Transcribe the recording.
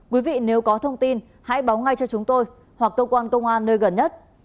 quý vị nếu có thông tin hãy báo ngay cho chúng tôi hoặc cơ quan công an nơi gần nhất